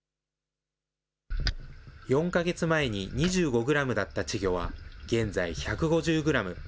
４か月前に２５グラムだった稚魚は現在１５０グラム。